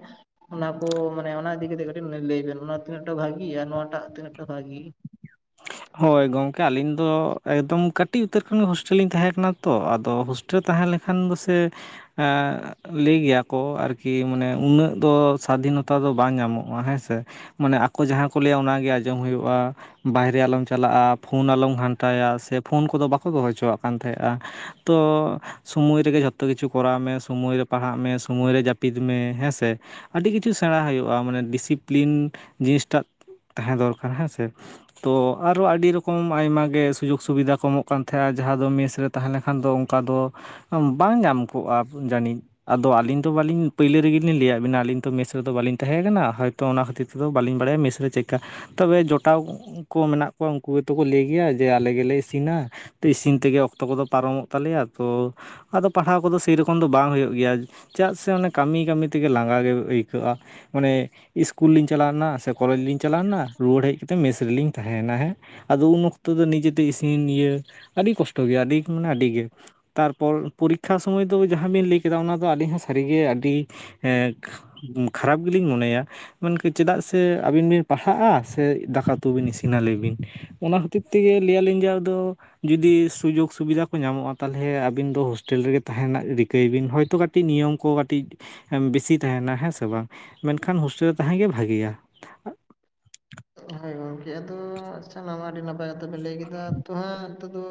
ᱚᱱᱟ ᱠᱚ ᱢᱟᱱᱮ ᱚᱱᱟ ᱤᱫᱤ ᱠᱟᱛᱮᱫ ᱠᱟᱹᱴᱤᱡ ᱞᱟᱹᱭ ᱵᱮᱱ ᱚᱱᱟ ᱛᱤᱱᱟᱹᱜ ᱴᱟᱜ ᱵᱷᱟᱜᱤ ᱱᱚᱣᱟ ᱴᱟᱜ ᱛᱤᱱᱟᱹᱜ ᱴᱟᱜ ᱵᱷᱟᱜᱤ ᱦᱳᱭ ᱜᱚᱝᱠᱮ ᱟᱹᱞᱤᱧ ᱫᱚ ᱮᱠᱫᱚᱢ ᱠᱟᱹᱴᱤᱡ ᱩᱛᱟᱹᱨ ᱠᱷᱚᱱ ᱜᱮ ᱦᱳᱥᱴᱮᱞ ᱨᱮᱞᱤᱧ ᱛᱟᱦᱮᱸ ᱠᱟᱱᱟ ᱛᱚ ᱛᱚ ᱟᱫᱚ ᱦᱳᱥᱴᱮᱞ ᱨᱮ ᱛᱟᱦᱮᱸ ᱞᱮᱠᱷᱟᱱ ᱫᱚ ᱥᱮ ᱮᱸ ᱞᱟᱹᱭ ᱜᱮᱭᱟ ᱠᱚ ᱟᱨ ᱠᱤ ᱢᱟᱱᱮ ᱩᱱᱟᱹᱜ ᱫᱚ ᱥᱟᱫᱷᱤᱱᱚᱛᱟ ᱫᱚ ᱵᱟᱝ ᱧᱟᱢᱚᱜᱼᱟ ᱦᱮᱸ ᱥᱮ ᱢᱟᱱᱮ ᱟᱠᱚ ᱡᱟᱸᱦᱟ ᱠᱚ ᱞᱟᱹᱭᱼᱟ ᱚᱱᱟ ᱜᱮ ᱟᱸᱡᱚᱢ ᱦᱳᱭᱳᱜᱼᱟ ᱵᱟᱦᱨᱮ ᱟᱞᱚᱢ ᱪᱟᱞᱟᱜᱼᱟ ᱯᱷᱳᱱ ᱟᱞᱚᱢ ᱜᱷᱟᱱᱴᱟᱭᱟ ᱥᱮ ᱯᱷᱳᱱ ᱠᱚᱫᱚ ᱵᱟᱠᱚ ᱫᱚᱦᱚ ᱦᱚᱪᱚᱣᱟᱜ ᱠᱟᱱ ᱛᱟᱦᱮᱸᱫᱼᱟ ᱛᱚ ᱥᱚᱢᱚᱭ ᱨᱮᱜᱮ ᱡᱷᱚᱛᱚ ᱠᱤᱪᱷᱩ ᱠᱚᱨᱟᱣ ᱢᱮ ᱥᱚᱢᱚᱭ ᱨᱮ ᱯᱟᱲᱦᱟᱜ ᱢᱮ ᱥᱚᱢᱚᱭ ᱨᱮ ᱡᱟᱹᱯᱤᱫ ᱢᱮ ᱦᱮᱸᱥᱮ ᱟᱹᱰᱤ ᱠᱤᱪᱷᱩ ᱥᱮᱬᱟᱭ ᱦᱳᱭᱳᱜᱼᱟ ᱢᱟᱱᱮ ᱰᱮᱥᱤᱯᱤᱞᱤᱱ ᱡᱤᱱᱤᱥ ᱴᱟᱜ ᱛᱟᱦᱮᱸ ᱫᱚᱨᱠᱟᱨ ᱦᱮᱸ ᱥᱮ ᱛᱚ ᱟᱨᱚ ᱟᱹᱰᱤ ᱨᱚᱠᱚᱢ ᱟᱭᱢᱟ ᱜᱮ ᱥᱩᱡᱳᱜ ᱥᱩᱵᱤᱫᱷᱟ ᱠᱚ ᱮᱢᱚᱜ ᱠᱟᱱ ᱛᱟᱦᱮᱸᱫᱼᱟ ᱡᱟᱦᱟᱸ ᱫᱚ ᱢᱮᱥ ᱨᱮ ᱛᱟᱦᱮ ᱞᱮᱠᱷᱟᱱ ᱫᱚ ᱚᱱᱠᱟ ᱫᱚ ᱵᱟᱝ ᱧᱟᱢ ᱠᱚᱜᱼᱟ ᱡᱟᱹᱱᱤᱡ ᱟᱫᱚ ᱟᱞᱤᱧ ᱫᱚ ᱵᱟᱞᱤᱧ ᱯᱟᱹᱭᱞᱟᱹ ᱨᱮᱜᱮ ᱞᱤᱧ ᱞᱟᱹᱭᱟᱜ ᱵᱤᱱᱟ ᱟᱞᱤᱧ ᱛᱚ ᱢᱮᱥᱟ ᱨᱮᱫᱚ ᱵᱟᱞᱤᱧ ᱛᱟᱦᱮᱱ ᱟᱠᱟᱱᱟ ᱦᱚᱭᱛᱚᱼᱼ [unintelligible] ᱚᱱᱟ ᱠᱷᱟᱹᱛᱤᱨ ᱛᱮᱫᱚ ᱵᱟᱞᱤᱧ ᱵᱟᱲᱟᱭᱟ ᱢᱮᱥ ᱨᱮ ᱪᱮᱜ ᱠᱟ ᱛᱚᱵᱮ ᱡᱚᱴᱟᱣ [unintelligible] ᱼᱼ ᱠᱚ ᱢᱮᱱᱟᱜ ᱠᱚᱣᱟ ᱩᱱᱠᱩ ᱜᱮᱛᱚ ᱠᱚ ᱞᱟᱹᱭ ᱜᱮᱭᱟ ᱡᱮ ᱟᱞᱮ ᱜᱮᱞᱮ ᱤᱥᱤᱱᱟ᱾ [unintelligible] ᱤᱥᱤᱱ ᱛᱮᱜᱮ ᱚᱠᱛᱚ ᱠᱚᱫᱚ ᱯᱟᱨᱚᱢᱚᱜ ᱛᱟᱞᱮᱭᱟ ᱛᱚ ᱟᱫᱚ ᱯᱟᱲᱦᱟᱣ ᱠᱚᱫᱚ ᱥᱮᱭ ᱨᱚᱠᱚᱢ ᱫᱚ ᱵᱟᱝ ᱦᱩᱭᱩᱜ ᱜᱮᱭᱟ᱾ ᱪᱮᱫᱟᱜ ᱥᱮ ᱚᱱᱮ ᱠᱟᱢᱤ ᱠᱟᱢᱤ ᱛᱮᱜᱮ ᱞᱟᱸᱜᱟ ᱜᱮ ᱟᱹᱭᱠᱟᱹᱜ-ᱟ ᱢᱟᱱᱮᱼᱼ ᱤᱥᱠᱩᱞ ᱞᱤᱧ ᱪᱟᱞᱟᱣ ᱞᱮᱱᱟ ᱥᱮ ᱠᱚᱞᱮᱡᱽ ᱞᱤᱧ ᱪᱟᱞᱟᱣ ᱞᱮᱱᱟ ᱨᱩᱣᱟᱹᱲ ᱦᱮᱡ ᱠᱟᱛᱮᱜ ᱢᱮᱥ ᱨᱮᱞᱤᱧᱼᱼ ᱛᱟᱦᱮᱸ ᱭᱮᱱᱟ ᱦᱮᱸ ᱟᱫᱚ ᱩᱱ ᱚᱠᱛᱚ ᱫᱚ ᱱᱤᱡᱮ ᱛᱮᱜᱮ ᱤᱥᱤᱱ ᱤᱭᱟᱹ ᱟᱹᱰᱤ ᱠᱚᱥᱴᱚ ᱜᱮᱭᱟ ᱟᱰᱤ ᱢᱟᱱᱮ ᱟᱰᱤ ᱜᱮ᱾ ᱛᱟᱨᱯᱚᱨ ᱯᱩᱨᱤᱠᱠᱷᱟ ᱥᱚᱢᱚᱭ ᱫᱚ ᱡᱟᱦᱟᱸ ᱵᱮᱱ ᱞᱟᱹᱭ ᱠᱮᱫᱟ ᱚᱱᱟ ᱫᱚ ᱟᱰᱤ ᱦᱟᱸᱜ ᱥᱟᱨᱤ ᱜᱮ ᱟᱰᱤ [unintelligible] ᱼᱼ ᱩᱸ ᱠᱷᱟᱨᱟᱯ ᱜᱮᱞᱤᱧ ᱢᱚᱱᱮᱭᱟ ᱢᱮᱱᱠᱷᱟ ᱪᱮᱫᱟᱜ ᱥᱮ ᱟᱹᱵᱤᱱ ᱵᱤᱱ ᱯᱟᱲᱦᱟᱜ-ᱟ ᱥᱮ ᱫᱟᱠᱟ ᱩᱛᱩ ᱵᱤᱱ ᱤᱥᱤᱱ-ᱟᱼᱼ [unintelligible] ᱚᱱᱟ ᱦᱚᱛᱮᱡᱽ ᱛᱮᱜᱮ ᱞᱟᱹᱭ ᱟᱞᱤᱧ ᱡᱮ ᱟᱫᱚ ᱡᱩᱫᱤ ᱥᱩᱡᱳᱠ ᱥᱩᱵᱤᱫᱟ ᱠᱚ ᱧᱟᱢᱚᱜ-ᱟ ᱛᱟᱦᱚᱞᱮ ᱟᱵᱤᱱ ᱫᱚ ᱦᱳᱥᱴᱮᱞ ᱨᱮᱜᱮ ᱛᱟᱦᱮᱸᱱ ᱨᱮᱱᱟᱜ ᱨᱤᱠᱟᱹᱭ ᱵᱤᱱ ᱦᱚᱭᱛᱚ [unintelligible] ᱼᱼ ᱠᱟᱹᱴᱤᱡ ᱱᱤᱭᱚᱢ ᱠᱚ ᱠᱟᱴᱤᱡ ᱵᱮᱥᱤ ᱛᱟᱦᱮᱱᱟ ᱦᱮᱸ ᱥᱮ ᱵᱟᱝ ᱢᱮᱱᱠᱷᱟᱱ ᱦᱳᱥᱴᱮᱞ ᱨᱮ ᱛᱟᱦᱮᱸ ᱜᱮ ᱵᱷᱟᱜᱮᱭᱟ᱾ ᱦᱚᱭ ᱜᱚᱝᱠᱮ ᱟᱫᱚ ᱥᱟᱱᱟᱢᱟᱜ ᱟᱰᱤ ᱱᱟᱯᱟᱭ ᱠᱟᱛᱷᱟ ᱵᱮᱱ ᱞᱟᱹᱭ ᱠᱮᱫᱟ ᱛᱚ ᱦᱟᱸᱜᱼᱼ ᱱᱚᱛᱮ ᱫᱚ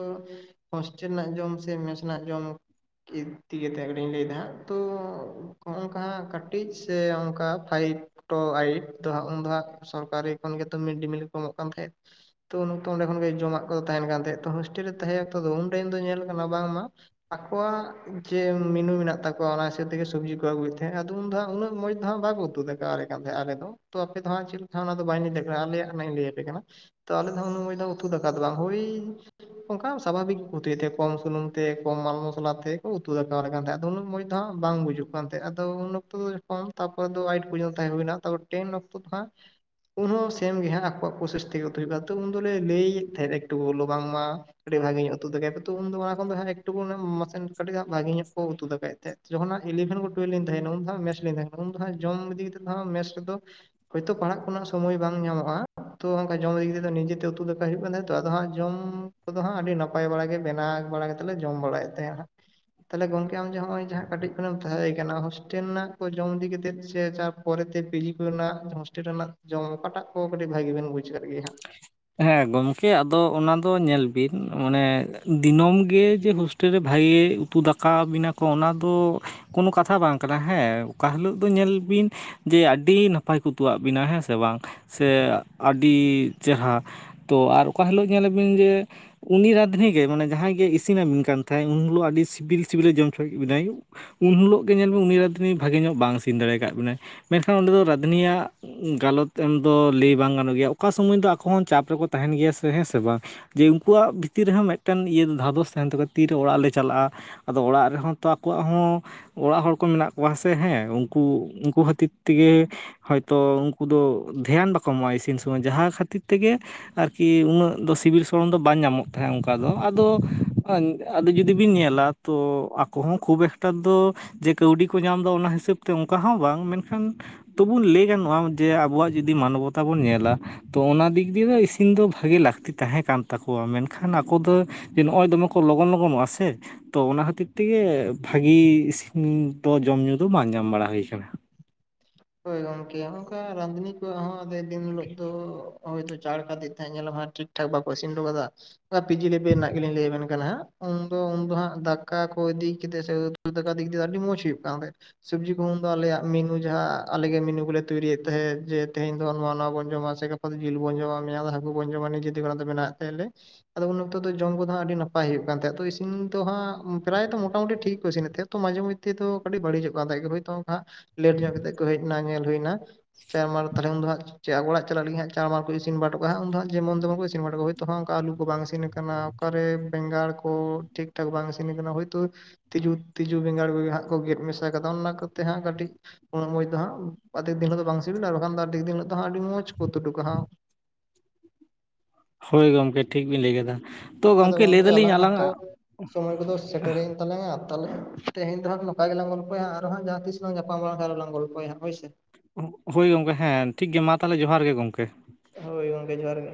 ᱦᱳᱥᱴᱮᱞ ᱨᱮᱱᱟᱜ ᱡᱚᱢ ᱥᱮ ᱢᱮᱥ ᱨᱮᱱᱟᱜ ᱡᱚᱢᱼᱼ [unintelligible] ᱞᱤᱧ ᱞᱟᱹᱭ ᱮᱫᱟ ᱦᱟᱸᱜ ᱛᱚ ᱚᱱᱠᱟ ᱠᱟᱴᱤᱡ ᱥᱮ ᱚᱱᱠᱟ ᱯᱷᱟᱭᱤᱯᱼᱼ ᱴᱳ ᱟᱭᱤᱴ ᱛᱚ ᱦᱟᱸᱜ ᱩᱱ ᱫᱚ ᱦᱟᱸᱜ ᱥᱚᱨᱠᱟᱨᱤ ᱠᱷᱚᱱ ᱜᱮᱛᱚ ᱢᱤᱰᱰᱤᱼᱢᱤᱞ ᱠᱚ ᱮᱢᱚᱜ ᱠᱟᱱ ᱛᱟᱦᱮᱸᱫ᱾ [unintelligible] ᱛᱚ ᱚᱸᱰᱮ ᱠᱷᱚᱱ ᱜᱮ ᱡᱚᱢᱟᱜ ᱠᱚᱫᱚ ᱛᱟᱦᱮᱱ ᱠᱟᱱ ᱛᱟᱦᱮᱸᱜ ᱛᱚ ᱦᱳᱥᱴᱮᱞ ᱨᱮ ᱛᱟᱦᱮᱸ ᱚᱠᱛᱚ ᱫᱚ ᱩᱱ ᱴᱟᱭᱤᱢ ᱫᱚ ᱧᱮᱞ ᱟᱠᱟᱱᱟ ᱵᱟᱝ ᱢᱟᱼᱼ ᱟᱠᱚᱣᱟᱜ ᱡᱮ ᱢᱮᱱᱩ ᱢᱤᱱᱟᱜ ᱛᱟᱠᱚᱣᱟ ᱚᱱᱟ ᱦᱤᱥᱟᱹᱵᱽ ᱛᱮᱜᱮ ᱥᱚᱵᱽᱡᱤ ᱠᱚ ᱟᱹᱜᱩᱭᱮᱜ ᱛᱟᱦᱮᱸᱜ ᱟᱫᱚ ᱩᱱ ᱫᱚ ᱦᱟᱹᱜ ᱩᱱᱟᱜ ᱢᱚᱸᱡᱽ ᱫᱚ ᱦᱟᱸᱜ ᱵᱟᱠᱚ [unintelligible] ᱼᱼ ᱩᱛᱩ ᱫᱟᱠᱟ ᱣᱟᱞᱮ ᱠᱟᱱ ᱛᱟᱦᱮᱸᱜ ᱟᱞᱮ ᱫᱚ ᱛᱚ ᱟᱯᱮ ᱫᱚ ᱦᱟᱸᱜ ᱪᱮᱜ ᱞᱮᱠᱟ‌ ᱚᱱᱟᱼᱼ ᱵᱟᱧ ᱞᱟᱹᱭ ᱫᱟᱲᱮᱭᱟᱜ ᱠᱟᱱᱟ ᱟᱞᱮᱭᱟᱜ [unintelligible] ᱞᱟᱹᱭᱟ ᱯᱮ ᱠᱟᱱᱟ [unintelligible] ᱛᱚ ᱟᱞᱮ ᱫᱚ ᱩᱱᱟᱹᱜ ᱢᱚᱸᱡᱽ ᱫᱚ ᱩᱛᱩ ᱫᱟᱠᱟ ᱫᱚ ᱵᱟᱝ ᱦᱩᱭᱼᱼ ᱚᱱᱠᱟ ᱥᱟᱵᱷᱟᱵᱤᱠ ᱩᱛᱩᱭ ᱛᱮ ᱠᱚᱢ ᱥᱩᱱᱩᱢ ᱛᱮ ᱠᱚᱢ ᱢᱟᱞ ᱢᱚᱥᱞᱟ ᱛᱮ ᱠᱚ ᱩᱛᱩ ᱫᱟᱠᱟᱣ ᱣᱟᱞᱮ ᱠᱟᱱ ᱛᱟᱦᱮᱸᱜ ᱟᱫᱚ ᱩᱱᱟᱹᱜ ᱢᱚᱸᱡᱽᱼᱼ ᱫᱚ ᱦᱟᱸᱜ ᱵᱟᱝ ᱵᱩᱡᱩᱜ ᱠᱟᱱ ᱛᱟᱦᱮᱸᱜ-ᱟ ᱟᱫᱚ ᱩᱱ ᱚᱠᱛᱚ ᱫᱚ ᱡᱚᱠᱷᱚᱱ ᱛᱟᱨᱯᱚᱨ ᱫᱚ ᱟᱭᱤᱴ ᱯᱨᱚᱡᱚᱱ ᱛᱟᱦᱮᱸ ᱦᱩᱭ ᱱᱟ ᱛᱟᱨᱯᱚᱨ ᱴᱮᱱ ᱚᱠᱛᱚ ᱫᱚ ᱦᱟᱸᱜᱼᱼ ᱩᱱ ᱦᱚᱸ ᱥᱮᱱ ᱜᱮ ᱦᱟᱸᱜ ᱟᱠᱚᱣᱟᱜ ᱯᱨᱚᱥᱮᱥ ᱛᱮᱜᱮ [unintelligible] ᱟᱹᱛᱳ ᱠᱷᱚᱱ ᱫᱚᱞᱮ ᱞᱟᱹᱭᱮᱜ ᱛᱟᱦᱮᱸᱜ ᱜᱮ ᱮᱠ ᱴᱩᱠᱩ ᱵᱚᱞᱮ ᱵᱟᱝ ᱢᱟᱼᱼ ᱠᱟᱹᱴᱤᱡ ᱵᱷᱟᱹᱜᱤ ᱧᱚᱜ ᱩᱛᱩ ᱫᱟᱠᱟᱭ ᱠᱚ ᱛᱚ ᱩᱱ ᱫᱚ ᱚᱱᱟ ᱠᱚ [unintelligible] ᱮᱠ ᱴᱩᱠᱩ ᱢᱟ ᱢᱟᱥᱮᱱ ᱠᱟᱹᱴᱤᱡ ᱦᱟᱸᱜ ᱵᱷᱟᱹᱜᱤ ᱧᱚᱜ ᱠᱚ ᱩᱛᱩ ᱫᱟᱠᱟᱭᱮᱜ ᱛᱮᱦᱮᱸᱫ᱾ ᱡᱚᱠᱷᱚᱱ ᱱᱟᱦᱟᱸᱜ ᱤᱞᱤᱵᱷᱮᱱ ᱠᱷᱚᱱ ᱴᱩᱭᱮᱞᱵᱷ ᱞᱤᱧ ᱛᱟᱦᱮᱱᱟ ᱩᱱ ᱫᱚ ᱦᱟᱸᱜ ᱢᱮᱥ ᱞᱤᱧ ᱛᱟᱦᱮᱱᱟ ᱩᱱ ᱫᱚ ᱦᱟᱸᱜ ᱡᱚᱢ ᱤᱫᱤ ᱠᱟᱛᱮᱫ ᱫᱚ ᱦᱟᱸᱜ ᱢᱮᱥ ᱨᱮᱫᱚ ᱼᱼ ᱦᱳᱭᱛᱚ ᱯᱟᱲᱦᱟᱜ ᱠᱚᱱᱟᱥᱼᱼ ᱥᱚᱢᱚᱭ ᱵᱟᱝ ᱧᱟᱢᱚᱜ-ᱟ ᱛᱚ ᱚᱱᱠᱟ ᱡᱚᱢ ᱤᱫᱤ ᱠᱟᱛᱮᱜ ᱱᱤᱡᱮ ᱛᱮ ᱩᱛᱩ ᱫᱟᱠᱟᱭ ᱦᱩᱭᱩᱜ ᱠᱟᱱ ᱛᱟᱦᱮᱸᱜ ᱛᱚ ᱟᱫᱚ ᱦᱟᱸᱜ ᱡᱚᱢᱼᱼ ᱠᱩ ᱫᱚ ᱦᱟᱸᱜ ᱟᱹᱰᱤ ᱱᱟᱯᱟᱭ ᱵᱟᱲᱟ ᱵᱮᱱᱟᱜᱽ ᱵᱟᱲᱟ ᱠᱟᱛᱮᱜ ᱞᱮ ᱡᱚᱢ ᱵᱟᱲᱟᱭᱮᱜ ᱛᱟᱦᱮᱫ ᱦᱟᱸᱜ ᱛᱟᱦᱚᱞᱮ ᱜᱚᱝᱠᱮ ᱟᱢ ᱡᱮ ᱦᱚᱸᱜ-ᱚᱚᱭ ᱡᱟᱦᱟᱸ ᱠᱟᱹᱴᱤᱡ ᱠᱷᱚᱱᱮᱢ ᱛᱟᱦᱮᱸᱭ ᱠᱟᱱᱟ ᱦᱳᱥᱴᱮᱞ ᱨᱮᱱᱟᱜ ᱠᱚ ᱡᱚᱢ ᱤᱫᱤ ᱠᱟᱛᱮᱫ ᱥᱮ ᱪᱟᱼᱼ ᱯᱚᱨᱮ ᱛᱮ ᱯᱤᱡᱤ ᱠᱚᱨᱮ ᱱᱟᱜ ᱦᱳᱥᱴᱮᱞ ᱨᱮᱱᱟᱜ ᱡᱚᱢ ᱚᱠᱟ ᱴᱟᱜ ᱠᱚ ᱠᱟᱹᱴᱤᱡ ᱵᱷᱟᱹᱜᱤ ᱵᱮᱱ ᱵᱩᱡᱷᱟᱹᱣᱮᱜ ᱜᱮᱭᱟ ᱦᱟᱸᱜ? ᱦᱮᱸ ᱜᱚᱢᱠᱮ ᱟᱫᱚ ᱚᱱᱟ ᱫᱚ ᱧᱮᱞ ᱵᱤᱱ ᱢᱟᱱᱮ ᱫᱤᱱᱚᱢ ᱜᱮ ᱡᱮ ᱦᱩᱥᱼᱼ ᱴᱮᱞ ᱨᱮ ᱵᱷᱟᱹᱜᱤ ᱩᱛᱩ ᱫᱟᱠᱟᱣ ᱵᱤᱱᱟ ᱠᱚ ᱚᱱᱟ ᱫᱚᱼᱼ ᱠᱳᱱᱳ ᱠᱟᱛᱷᱟ ᱵᱟᱝ ᱠᱟᱱᱟ ᱦᱮᱸ ᱚᱠᱟ ᱦᱤᱞᱚᱜ ᱫᱚ ᱧᱮᱞ ᱵᱤᱱᱼᱼ ᱡᱮ ᱟᱹᱰᱤ ᱱᱟᱯᱟᱭ ᱠᱚ ᱩᱛᱩᱣᱟᱜ ᱵᱤᱱᱟ ᱦᱮᱸ ᱥᱮ ᱵᱟᱝ ᱥᱮ ᱟᱹᱰᱤ ᱪᱮᱨᱦᱟ᱾ ᱛᱚ ᱟᱨ ᱚᱠᱟ ᱦᱤᱞᱚᱜ ᱧᱮᱞ ᱵᱤᱱ ᱡᱮᱼᱼ ᱩᱱᱤ ᱨᱟᱫᱷᱱᱤ ᱜᱮ ᱢᱟᱱᱮ ᱡᱟᱦᱟᱸᱭ ᱜᱮ ᱤᱥᱤᱱ ᱟᱹᱵᱤᱱ ᱠᱟᱱ ᱛᱟᱦᱮᱸᱜ ᱩᱱ ᱦᱤᱞᱚᱜ ᱟᱹᱰᱤ ᱥᱤᱵᱤᱞ ᱥᱤᱵᱤᱞᱮ ᱡᱚᱢ ᱚᱪᱚᱭᱮᱜ ᱵᱤᱱᱟᱭᱼᱼ ᱩᱱ ᱦᱤᱞᱚᱜ ᱜᱮ ᱧᱮᱞ ᱢᱮ ᱩᱱᱤ‌ ᱨᱟᱫᱷᱱᱤ ᱵᱷᱟᱹᱜᱤ ᱧᱚᱜ ᱵᱟᱝ ᱤᱥᱤᱱ ᱫᱟᱲᱮ ᱟᱠᱟᱜ ᱵᱤᱱᱟᱭ᱾ ᱢᱮᱱᱠᱷᱟᱱ ᱚᱸᱰᱮ ᱫᱚ ᱨᱟᱫᱷᱱᱤ ᱭᱟᱜ ᱜᱟᱞᱚᱛ ᱮᱢ ᱫᱚ ᱞᱟᱹᱭ ᱵᱟᱝ ᱜᱟᱱᱚᱜ ᱜᱮᱭᱟ ᱚᱠᱟ ᱥᱚᱢᱚᱭ ᱫᱚ ᱟᱠᱚ ᱦᱚᱸᱼᱼ ᱪᱟᱯ ᱨᱮᱠᱚ ᱛᱟᱦᱮᱱ ᱜᱮᱭᱟ ᱥᱮ ᱦᱮᱸ ᱥᱮ ᱵᱟᱝ ᱡᱮ ᱩᱱᱠᱩᱣᱟᱜ ᱵᱷᱤᱛᱤᱨ ᱨᱮᱦᱚᱸ ᱢᱤᱫᱴᱮᱱ ᱤᱭᱟᱹ ᱫᱷᱟᱫᱚᱥ ᱛᱟᱦᱮᱱ ᱛᱟᱠᱚᱣᱟ ᱛᱤᱨᱮ ᱚᱲᱟᱜ ᱞᱮ ᱪᱟᱞᱟᱜᱼᱟ᱾ ᱟᱫᱚ ᱚᱲᱟᱜ ᱨᱮᱦᱚᱸ ᱛᱚ ᱟᱠᱚᱣᱟᱜ ᱦᱚᱸ ᱚᱲᱟᱜ ᱦᱚᱲ ᱠᱚ ᱢᱮᱱᱟᱜ ᱠᱚᱣᱟ ᱦᱮ ᱥᱮ ᱦᱮᱸ ᱩᱱᱠᱩ ᱩᱱᱠᱩ ᱠᱷᱟᱹᱛᱤᱨ ᱛᱮᱜᱮ ᱦᱚᱭᱛᱚ ᱩᱱᱠᱩ ᱫᱚ ᱫᱷᱮᱭᱟᱱ ᱵᱟᱠᱚ ᱮᱢᱚᱜ-ᱟ ᱤᱥᱤᱱ ᱥᱚᱢᱚᱭ ᱡᱟᱦᱟᱸ ᱠᱷᱟᱹᱛᱤᱨ ᱛᱮᱜᱮ ᱟᱨ ᱠᱤ ᱩᱱᱟᱹᱜ ᱫᱚ ᱥᱤᱵᱤᱞ ᱥᱚᱲᱚᱢ ᱫᱚ ᱵᱟᱝ ᱧᱟᱢᱚᱜ ᱛᱟᱦᱮᱸᱜ ᱚᱱᱠᱟ ᱫᱚ ᱟᱫᱚ ᱟᱸᱻ ᱟᱫᱚ ᱡᱩᱫᱤ ᱵᱤᱱ ᱧᱮᱞᱟ ᱛᱚ ᱟᱠᱚ ᱦᱚᱸ ᱠᱷᱩᱵ ᱮᱠᱴᱟ ᱫᱚ ᱡᱮ ᱠᱟᱹᱣᱰᱤ ᱠᱚ ᱧᱟᱢ ᱮᱫᱟ ᱚᱱᱟ ᱦᱤᱥᱟᱹᱵᱽ ᱛᱮ ᱚᱱᱠᱟ ᱦᱚᱸ ᱵᱟᱝ ᱢᱮᱱᱠᱷᱟᱱ ᱛᱚᱵᱩᱱ ᱞᱟᱹᱭ ᱜᱟᱱᱚᱜ-ᱟ ᱡᱮ ᱟᱵᱚᱣᱟᱜ ᱡᱩᱫᱤ ᱢᱟᱱᱚᱣᱚᱛᱟ ᱵᱚᱱ ᱧᱮᱞᱟ ᱛᱚ ᱚᱱᱟ ᱫᱤᱠᱼᱼ [unintelligible] ‌ᱤᱥᱤᱱ ᱫᱚ ᱵᱷᱟᱹᱜᱤ ᱞᱟᱹᱠᱛᱤ ᱛᱟᱦᱮᱸ ᱠᱟᱱ ᱛᱟᱠᱚᱣᱟ ᱢᱮᱱᱠᱷᱟᱱ ᱟᱠᱚ ᱫᱚ ᱮᱻ ᱱᱚᱜᱼᱚᱭ ᱫᱚᱢᱮ ᱠᱚ ᱞᱚᱜᱚᱱ ᱞᱚᱜᱚᱱᱚᱜᱼᱟ ᱥᱮ ᱛᱚ ᱚᱱᱟ ᱠᱷᱟᱹᱛᱤᱨ ᱛᱮᱜᱮ ᱵᱷᱟᱹᱜᱤ ᱥᱤᱤᱱ ᱫᱚ ᱡᱚᱢ ᱧᱩ ᱫᱚ ᱵᱟᱝ ᱧᱟᱢ ᱵᱟᱲᱟ ᱦᱩᱭ ᱟᱠᱟᱱᱟ᱾ [inaudible] ᱦᱳᱭ ᱜᱚᱝᱠᱮ ᱚᱱᱠᱟ ᱨᱟᱸᱫᱷᱱᱤ ᱠᱚᱣᱟᱜ ᱦᱚᱸ ᱟᱫᱮ ᱫᱤᱱ ᱦᱤᱞᱚᱜ ᱫᱚ ᱦᱚᱭᱛᱚ ᱪᱟᱲ ᱠᱟᱛᱮ [unintelligible] ᱧᱮᱞᱟᱢ ᱦᱟᱸᱜ ᱴᱷᱤᱠ ᱴᱷᱟᱠ ᱵᱟᱠᱚ ᱤᱥᱤᱱ ᱚᱴᱚ ᱠᱟᱫᱟᱜᱼᱟ ᱯᱤᱡᱤ ᱞᱮᱵᱮᱞ ᱨᱮᱱᱟᱜ ᱜᱮᱞᱤᱧ ᱞᱟᱹᱭ ᱵᱮᱱ ᱠᱟᱱᱟ ᱦᱟᱸᱜ ᱩᱱᱫᱚ ᱩᱱ ᱫᱚ ᱦᱟᱸᱜ ᱫᱟᱠᱟ ᱠᱚ ᱤᱫᱤ ᱠᱮᱛᱮᱜ ᱥᱮ ᱫᱟᱠᱟ ᱤᱫᱤ ᱠᱮᱛᱮᱜ ᱟᱹᱰᱤ ᱢᱚᱸᱡᱽ ᱦᱩᱭᱩᱜ ᱠᱟᱱ ᱚᱸᱰᱮ ᱥᱚᱵᱽᱡᱤ ᱠᱚ ᱩᱱᱫᱚ ᱟᱞᱮᱭᱟᱜ ᱢᱤᱱᱩ ᱡᱟᱦᱟᱸ ᱟᱞᱮ ᱜᱮ ᱢᱤᱱᱩ ᱠᱚᱞᱮ ᱛᱳᱭᱨᱤᱭᱮᱫ ᱛᱟᱦᱮᱸᱫ ᱡᱮ ᱛᱮᱦᱮᱧ ᱫᱚ ᱱᱚᱣᱟ ᱱᱚᱣᱟ ᱵᱚᱱ ᱡᱚᱢᱟ ᱥᱮ ᱜᱟᱯᱟ ᱫᱚ ᱡᱤᱞ ᱵᱚᱱ ᱡᱚᱢᱟ ᱢᱮᱭᱟᱝᱼᱼ ᱠᱚᱵᱚᱱ ᱡᱚᱢᱟ ᱱᱤᱡᱮ ᱛᱮᱜᱮ ᱚᱱᱟ ᱫᱚ ᱵᱮᱱᱟᱣᱮᱫ ᱛᱟᱦᱮᱱ ᱞᱮ᱾ ᱟᱫᱚ ᱩᱱ ᱚᱠᱛᱚ ᱫᱚ ᱡᱚᱢ ᱠᱚᱫᱚ ᱦᱟᱸᱜ ᱟᱹᱰᱤ ᱱᱟᱯᱟᱭ ᱦᱩᱭᱩᱜ ᱠᱟᱱ ᱛᱟᱦᱮᱸᱫ ᱟᱫᱚ ᱤᱥᱤᱱ ᱫᱚ ᱦᱟᱸᱜ ᱯᱨᱟᱭ ᱛᱚ ᱢᱚᱴᱟᱢᱩᱴᱤ ᱴᱷᱤᱠ ᱠᱚ ᱤᱥᱤᱱᱮᱫ ᱛᱮᱦᱮᱸᱫ᱾ ᱢᱟᱡᱷᱮ ᱢᱚᱫᱽᱷᱮ ᱫᱚ ᱠᱟᱹᱴᱤᱡ ᱵᱟᱹᱲᱤᱡᱚᱜ ᱠᱟᱱ ᱛᱟᱦᱮᱸᱜ ᱦᱚᱭᱛᱚ ᱚᱱᱠᱟ ᱞᱮᱴ ᱧᱚᱜ ᱠᱟᱛᱮᱜ ᱠᱚ ᱦᱮᱡ ᱮᱱᱟ ᱧᱮᱞ ᱦᱩᱭᱱᱟ᱾ ᱪᱟᱨᱢᱟᱲ ᱛᱟᱲᱦᱮ ᱩᱱ ᱫᱚ ᱦᱟᱸᱜ ᱪᱟ ᱚᱲᱟᱜ ᱪᱟᱞᱟᱜ ᱞᱟᱹᱜᱤᱜ ᱦᱟᱸᱜ ᱪᱟᱨᱢᱟᱲ ᱠᱚ ᱤᱥᱤᱱ ᱵᱟᱲᱟ ᱚᱴᱚ ᱠᱟᱜ-ᱟ ᱦᱟᱸᱜ ᱩᱱ ᱫᱚ ᱦᱟᱸᱜ ᱡᱮᱢᱚᱱ ᱛᱮᱢᱚᱱ ᱠᱚ ᱤᱥᱤᱱ ᱵᱟᱲᱟ ᱚᱴᱚ‌ ᱠᱟᱜ ᱜᱮ᱾ ᱛᱚ ᱦᱟᱸᱜ ᱚᱱᱠᱟ ᱟᱹᱞᱩ ᱠᱚ ᱵᱟᱝ ᱤᱥᱤᱱ ᱟᱠᱟᱱᱟ ᱚᱠᱟᱨᱮ ᱵᱮᱸᱜᱟᱲ ᱠᱚ ᱴᱷᱤᱠ ᱴᱷᱟᱠ ᱵᱟᱝ ᱤᱥᱤᱱ ᱟᱠᱟᱱᱟ ᱦᱳᱭᱛᱳᱼᱼ ᱛᱤᱡᱩ ᱛᱤᱡᱩ ᱵᱮᱸᱜᱟᱲ ᱠᱚᱜᱮ ᱦᱟᱸᱜ ᱠᱚ ᱜᱮᱫ ᱢᱮᱥᱟ ᱟᱠᱟᱫᱟ ᱚᱱᱟ ᱠᱚᱛᱮ ᱦᱟᱸᱜ ᱠᱟᱹᱴᱤᱡᱼᱼ ᱩᱱᱟᱹᱜ ᱢᱚᱸᱡᱽ ᱫᱚ ᱦᱟᱸᱜ ᱟᱫᱷᱮᱠ ᱫᱤᱱ ᱫᱚ ᱵᱟᱝ ᱥᱤᱵᱤᱞᱟ, ᱟᱨ ᱵᱟᱝᱠᱷᱟᱱ ᱟᱫᱷᱮᱠ ᱫᱤᱱ ᱦᱤᱞᱳᱜ ᱫᱚ ᱦᱟᱸᱜ ᱟᱹᱰᱤ ᱢᱚᱸᱡᱽ ᱠᱚ ᱩᱛᱩ ᱚᱴᱚ ᱠᱟ ᱦᱟᱸᱜ᱾ ᱦᱳᱭ ᱜᱚᱢᱠᱮ ᱴᱷᱤᱠ ᱵᱤᱱ ᱞᱟᱹᱭ ᱠᱟᱫᱟ᱾ ᱛᱚ ᱟᱫᱚ ᱜᱚᱢᱠᱮ ᱞᱟᱹᱭ ᱜᱚᱝᱠᱮ ᱫᱟᱹᱞᱤᱧ ᱛᱚ ᱟᱞᱟᱝᱟᱜ ᱥᱚᱢᱚᱭ ᱠᱚᱫᱚ ᱥᱮᱴᱮᱨᱮᱱ ᱛᱟᱞᱟᱝᱟ ᱛᱟᱞᱦᱮ ᱛᱮᱦᱮᱧ ᱫᱚᱦᱚᱸ ᱱᱚᱠᱟ ᱜᱮᱞᱟᱝ ᱜᱚᱞᱯᱷᱚᱭᱟ ᱟᱨᱦᱚᱸ ᱦᱟᱸᱜ ᱡᱟᱦᱟᱸ ᱛᱤᱥ ᱾ ᱞᱟᱯᱟᱢ ᱢᱟᱨᱟᱝ ᱟᱨᱦᱚᱸ ᱞᱟᱝ ᱜᱚᱞᱯᱷᱚᱭᱟᱦᱟᱸᱜ ᱦᱳᱭ ᱥᱮ᱾ ᱦᱳᱭ ᱜᱚᱝᱠᱮ ᱦᱮᱸ, ᱴᱷᱤᱠ ᱜᱮ ᱢᱟ ᱛᱟᱦᱚᱞᱮ ᱡᱚᱦᱟᱨ ᱜᱮ ᱜᱚᱝᱠᱮ᱾ ᱦᱳᱭ ᱜᱚᱝᱠᱮ ᱡᱚᱦᱟᱨ ᱜᱮ᱾